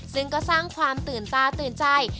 ซึ่งก็สร้างความตื่นตาตื่นใจ